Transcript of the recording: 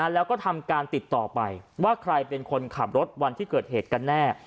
แล้วก็ทำการติดต่อไปว่าใครเป็นคนขับรถวันที่เกิดเหตุกันแน่